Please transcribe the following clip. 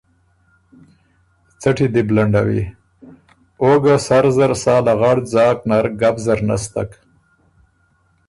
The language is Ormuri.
څټی دی بو لنډَوِی۔ او ګه سر زر سا لغړ ځاک نر ګپ زر نستک